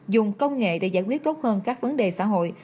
dùng công nghệ để giải quyết tốt hơn các vấn đề xã hội